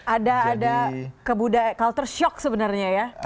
ada ada kebudayaan kalau tersyok sebenarnya ya sembilan belas jam